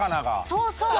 そうそう。